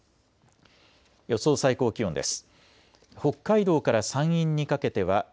予想最高気温です。